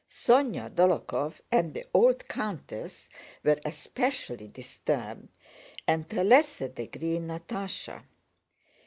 Sónya, Dólokhov, and the old countess were especially disturbed, and to a lesser degree Natásha.